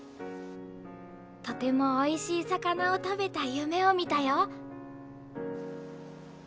とてもおいしい魚を食べた夢を見たよ。